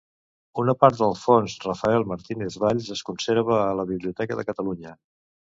Una part del Fons Rafael Martínez Valls es conserva a la Biblioteca de Catalunya.